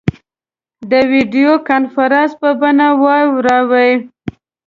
د ویډیو کنفرانس په بڼه واوراوه.